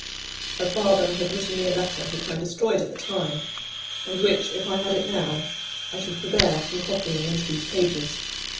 Her father had written me a letter, which I destroyed at the time; and which, if I had it now, I should forbear from copying into these pages.